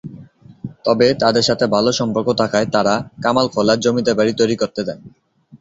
তবে তাদের সাথে ভালো সম্পর্ক থাকায় তারা কামানখোলায় জমিদার বাড়ি তৈরি করতে দেন।